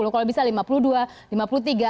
kalau bisa lima puluh dua lima puluh tiga